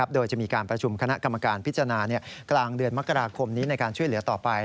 โดยจะมีการประชุมคณะกรรมการพิจารณากลางเดือนมกราคมนี้ในการช่วยเหลือต่อไป